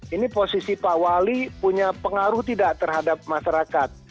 ini posisi pak wali punya pengaruh tidak terhadap masyarakat